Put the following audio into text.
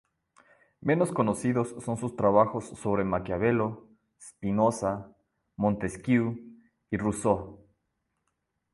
Menos conocidos son sus trabajos sobre Maquiavelo, Spinoza, Montesquieu y Rousseau.